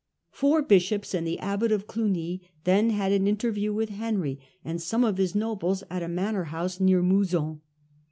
Pour bishops and the abbot of Clugny then had an interview with Henry and some of his nobles at a manor house near Mouzon.